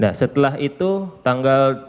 nah setelah itu tanggal